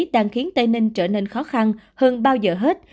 đang khiến tây ninh trở nên khó khăn hơn bao giờ hết